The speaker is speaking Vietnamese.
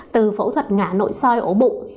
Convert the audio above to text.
từ phẫu thuật ngả nội soi ổ bụng